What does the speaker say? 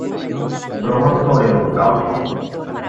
Bromas sobre el Holocausto.